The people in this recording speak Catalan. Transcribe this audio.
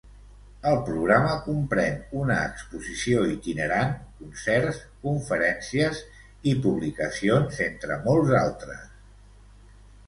El programa comprèn una exposició itinerant, concerts, conferències i publicacions, entre molts altres.